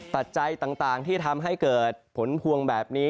ปัจจัยต่างที่ทำให้เกิดผลพวงแบบนี้